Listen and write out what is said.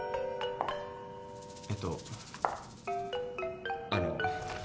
えっとあの。